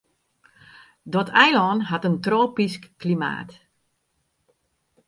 Dat eilân hat in tropysk klimaat.